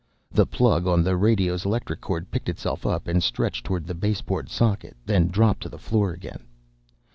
The plug on the radio's electric cord picked itself up and stretched toward the baseboard socket, then dropped to the floor again.